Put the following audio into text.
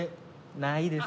ないです。